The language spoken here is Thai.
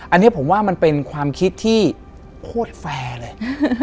อันนี้ผมว่ามันเป็นความคิดที่โคตรแฟร์เลย